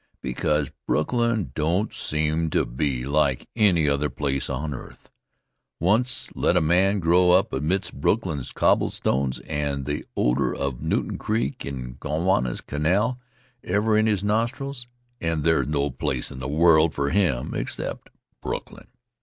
Because Brooklyn don't seem to be like any other place on earth. Once let a man grow up amidst Brooklyn's cobblestones, with the odor of Newton Creek and Gowanus Canal ever in his nostrils, and there's no place in the world for him except Brooklyn.